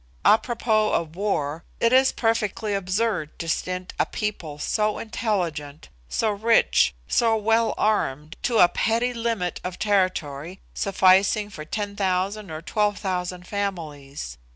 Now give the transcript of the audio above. Apropos of war, it is perfectly absurd to stint a people so intelligent, so rich, so well armed, to a petty limit of territory sufficing for 10,000 or 12,000 families.